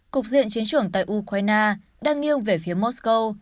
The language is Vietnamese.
cục diện chiến trưởng tại ukraine đang nghiêng về phía moscow